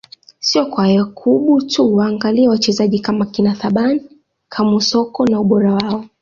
Sio kwa Yakub tu waangalie wachezaji kama kina Thaban Kamusoko na ubora wao